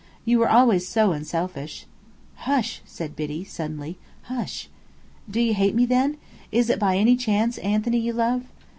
You were always so unselfish." "Hush!" said Biddy, suddenly, "Hush!" "Do you hate me, then? Is it by any chance, Anthony, you love?"